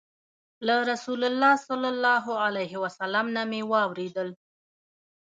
له رسول الله صلى الله عليه وسلم نه مي واورېدل